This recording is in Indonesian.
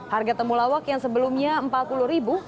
harga temulawak yang sebelumnya rp empat puluh